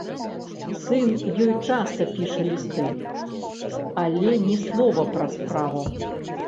Сын ёй часта піша лісты, але ні слова пра справу.